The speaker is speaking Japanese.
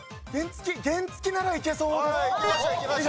原付ならいけそうです。